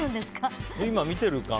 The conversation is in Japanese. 今、見てるかな。